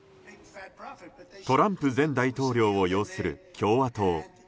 トランプ前大統領を擁する共和党。